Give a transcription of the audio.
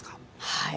はい。